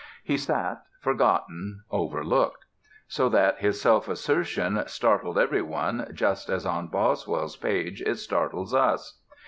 He sat forgotten, overlooked; so that his self assertion startled every one just as on Boswell's page it startles us.